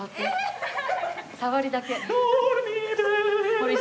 触りだけ。